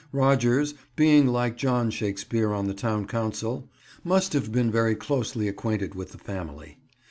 Rogers, being, like John Shakespeare on the town council, must have been very closely acquainted with the family.